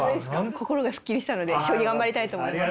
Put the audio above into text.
心がスッキリしたので将棋頑張りたいと思います。